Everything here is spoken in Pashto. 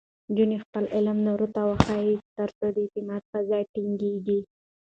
نجونې خپل علم نورو ته وښيي، ترڅو د اعتماد فضا ټینګېږي.